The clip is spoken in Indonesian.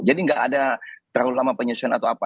jadi enggak ada terlalu lama penyesuaian atau apa